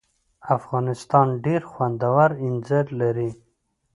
افغانستان ډېر خوندور اینځر لري.